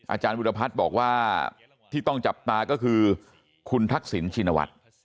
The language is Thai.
อาจารย์วิรพัฒน์บอกว่าที่ต้องจับตาก็คือคุณทักษิณชินวัฒน์